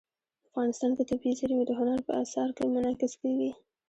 افغانستان کې طبیعي زیرمې د هنر په اثار کې منعکس کېږي.